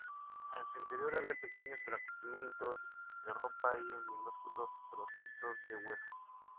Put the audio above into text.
En su interior había pequeños fragmentos de ropa y minúsculos trocitos de hueso.